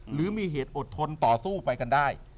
หรือมีเหตุอดทนต่อสู้ไปกันได้